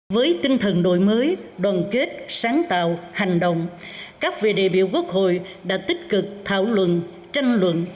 với tinh thần đổi mới đoàn kết sáng tạo hành động các vị đại biểu quốc hội đã tích cực thảo luận tranh luận